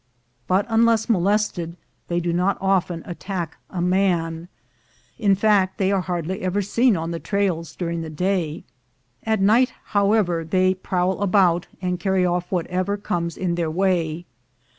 But unless molested they do not often attack a man; in fact, they are hardly ever seen on the trails during the day. At night, however, they prowl about, and carry off whatever comes in their way.